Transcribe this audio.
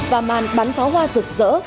và màn bắn pháo hoa rực rỡ